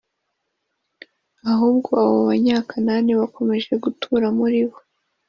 ahubwo abo Banyakanani bakomeje gutura muri bo